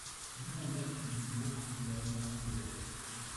Gutenberg fait du jour, de l’amour, de la vie